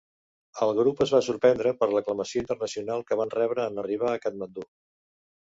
El grup es va sorprendre per l'aclamació internacional que van rebre en arribar a Katmandú.